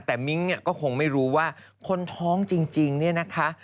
แต่มิ้งเนี่ยก็คงไม่รู้ว่าคนท้องจริงเนี่ยนะคะ